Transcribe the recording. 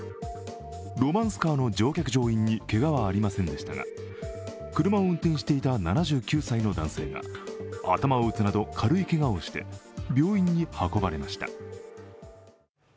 ロマンスカーの乗客・乗員にけがはありませんでしたが車を運転していた７９歳の男性が頭を打つなど軽いけがをして病院に運ばれました。